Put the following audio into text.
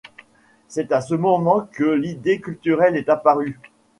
C'est à ce moment que l'idée culturelle est apparue.